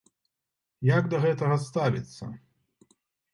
Як да гэтага ставіцца?